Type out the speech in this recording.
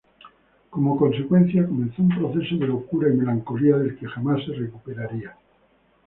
Como consecuencia, comenzó un proceso de locura y melancolía del que jamás se recuperaría.